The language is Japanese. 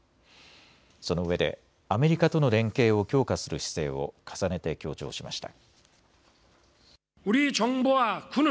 そのうえでアメリカとの連携を強化する姿勢を重ねて強調しました。